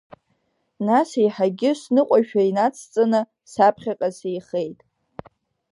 Нас еиҳагьы сныҟәашәа инацҵаны саԥхьаҟа сеихеит.